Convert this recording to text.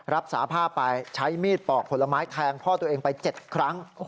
รับสาภาพไปใช้มีดปอกผลไม้แทงพ่อตัวเองไป๗ครั้ง